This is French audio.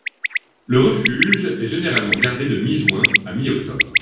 Le refuge est généralement gardé de mi-juin à mi-octobre.